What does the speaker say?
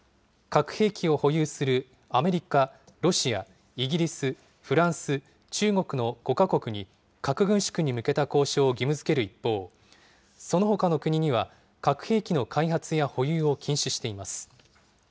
核兵器を保有するアメリカ、ロシア、イギリス、フランス、中国の５か国に、核軍縮に向けた交渉を義務づける一方、そのほかの国には核兵器の開発や保有を禁止しています。